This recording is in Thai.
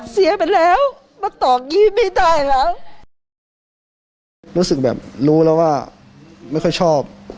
เสียไปแล้วมันต่อกลิ่นไม่ได้แล้วรู้แล้วว่าไม่ค่อยชอบ